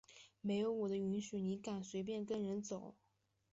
没有我的允许你敢随便跟别人走？！